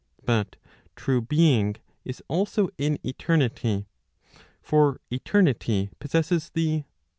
But true being is also in eternity. For eternity possesses the always in ■ i.